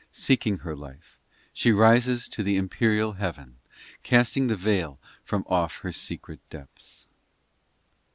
Seeking her life, She rises to th empyreal heaven, Casting the veil from off her secret depths.